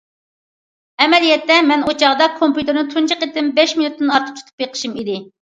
ئەمەلىيەتتە، مەن ئۇ چاغدا كومپيۇتېرنى تۇنجى قېتىم بەش مىنۇتتىن ئارتۇق تۇتۇپ بېقىشىم ئىدى.